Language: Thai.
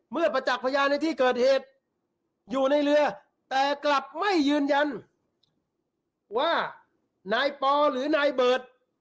ประจักษ์พยานในที่เกิดเหตุอยู่ในเรือแต่กลับไม่ยืนยันว่านายปอหรือนายเบิร์ต